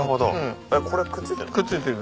これくっついてる？